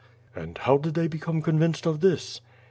"And how did they become convinced of this?"